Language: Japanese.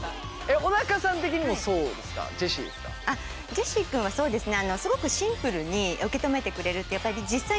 ジェシー君はそうですね